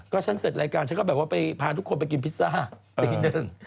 ก็ฉันเสร็จรายการฉันก็แบบว่าไปพาทุกคนไปกินพิซซ่าตีหนึ่ง